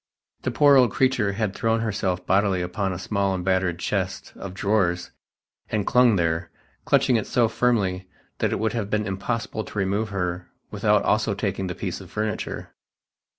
The poor old creature had thrown herself bodily upon a small and battered chest of drawers and clung there, clutching it so firmly that it would have been impossible to remove her without also taking the piece of furniture